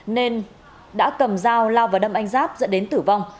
nên đã cầm dao lao vào đâm anh giáp dẫn đến tử vong